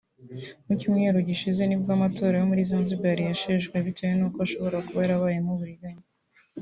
Mu cyumweru gishize nibwo amatora yo muri Zanzibar yasheshwe bitewe nuko ashobora kuba yarabayemo uburiganya